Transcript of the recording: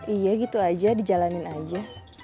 iya gitu aja dijalanin aja